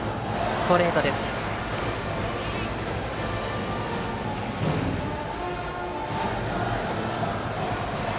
ストレートでした。